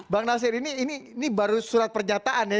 bang nasir ini baru surat pernyataan ya